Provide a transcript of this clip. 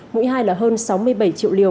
mũi hai là hơn sáu mươi bảy triệu liều